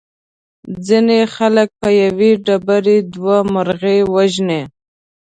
ځینې خلک په یوې ډبرې دوه مرغۍ وژني.